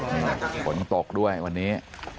เบาให้ตกด้วยวันนี้